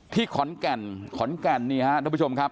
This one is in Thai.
ที่ขอนแก่นขอนแก่นนี่ฮะทุกผู้ชมครับ